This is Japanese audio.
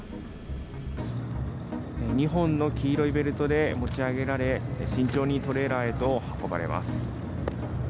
２本の黄色いベルトで持ち上げられ、慎重にトレーラーへと運ばれます。